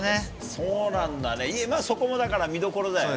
そうなんだよ、そこもだから見どころだよね。